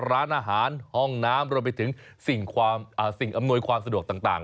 ร้านอาหารห้องน้ำรวมไปถึงสิ่งอำนวยความสะดวกต่าง